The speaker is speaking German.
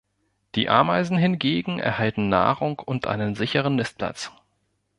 Die Ameisen hingegen erhalten Nahrung und einen sicheren Nistplatz.